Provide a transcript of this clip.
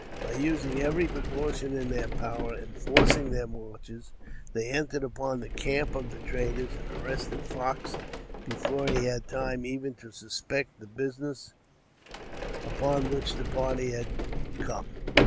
By using every precaution in their power, and forcing their marches, they entered into the camp of the traders, and arrested Fox before he had time even to suspect the business upon which the party had come.